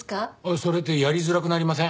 それってやりづらくなりません？